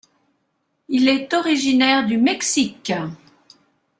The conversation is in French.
Il est originaire du Mexique.